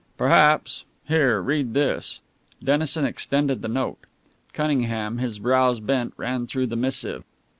"Perhaps. Here, read this." Dennison extended the note. Cunningham, his brows bent, ran through the missive.